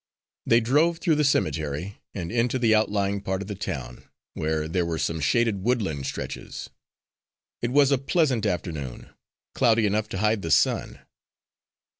They drove through the cemetery, and into the outlying part of the town, where there were some shaded woodland stretches. It was a pleasant afternoon; cloudy enough to hide the sun.